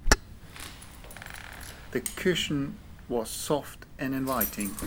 The cushion was soft and inviting.